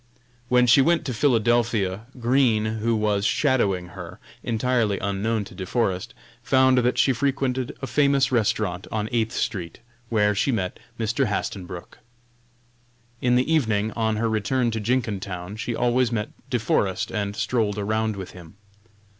When she went to Philadelphia, Green, who was shadowing her, entirely unknown to De Forest, found that she frequented a famous restaurant on Eighth street, where she met Mr. Hastenbrook. In the evening, on her return to Jenkintown, she always met De Forest and strolled around with him.